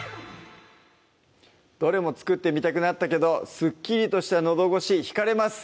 どれも作ってみたくなったけどすっきりとしたのど越しひかれます